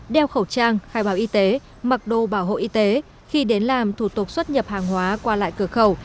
đeo khẩu trang khai báo y tế mặc đồ bảo hộ y tế khi đến làm thủ tục xuất nhập hàng hóa qua lại cửa khẩu